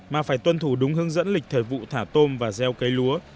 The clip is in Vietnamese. mà phải tuân thủ đúng hướng dẫn lịch thời vụ thả tôm và gieo cây lúa